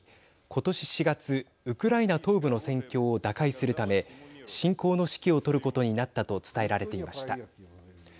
ことし４月、ウクライナ東部の戦況を打開するため侵攻の指揮を執ることになったと伝えられていました。